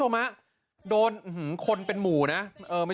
หัวดูลาย